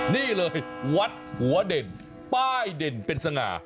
นี่เลยวัดหัวเด่นป้ายเด่นเป็นสง่า